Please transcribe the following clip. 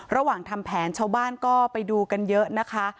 ระหว่างทำแผนชาวบ้านก็ไปดูกันเยอะนะคะ